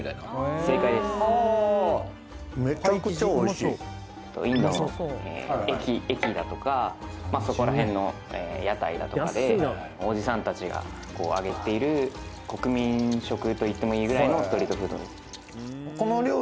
めちゃくちゃおいしいインドの駅だとかそこら辺の屋台だとかでおじさん達がこう揚げている国民食と言ってもいいぐらいのストリートフードです